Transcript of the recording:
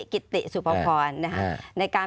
กิตติสุพพรในการ